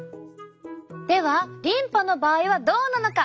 ではリンパの場合はどうなのか。